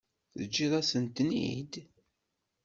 Teǧǧiḍ-asent-ten-id?